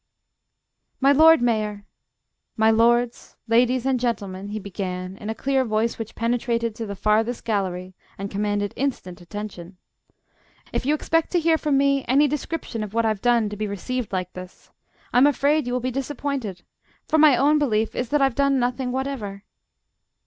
"My Lord Mayor, my lords, ladies, and gentlemen," he began, in a clear voice which penetrated to the farthest gallery and commanded instant attention. "If you expect to hear from me any description of what I've done to be received like this, I'm afraid you will be disappointed. For my own belief is that I've done nothing whatever."